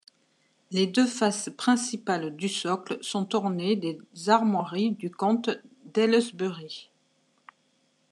Les deux faces principales du socle sont ornées des armoiries du comte d'Ailesbury.